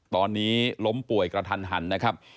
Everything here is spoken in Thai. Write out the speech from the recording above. ตอนนี้ล้มป่วยกระทันหันนะครับ